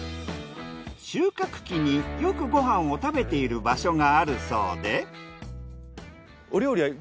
収穫期によくご飯を食べている場所があるそうで。